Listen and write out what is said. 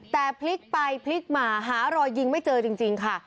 แต่พลิกไปพลิกมาหารอยยิงไม่เจอจริงค่ะ